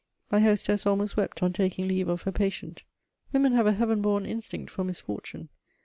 My hostess almost wept on taking leave of her patient: women have a heaven born instinct for misfortune.